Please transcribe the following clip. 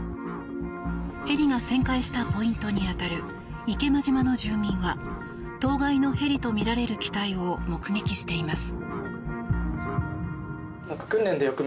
ヘリが旋回したポイントに当たる池間島の住民は当該のヘリとみられる機体を目撃しています。